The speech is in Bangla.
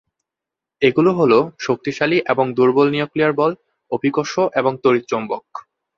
এগুলো হলোঃ শক্তিশালী এবং দুর্বল নিউক্লিয়ার বল, অভিকর্ষ এবং তড়িৎচৌম্বক।